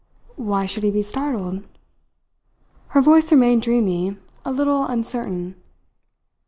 "Why should he be startled?" Her voice remained dreamy, a little uncertain.